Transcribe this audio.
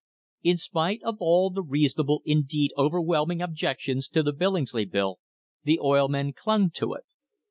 > In spite of all the reasonable, indeed overwhelming, objec tions to the Billingsley Bill, the oil men clung to it.